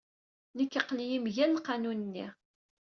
Nekk aql-iyi mgal lqanun-nni.